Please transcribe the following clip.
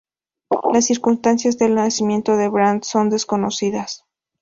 Las circunstancias del nacimiento de Brand son desconocidas.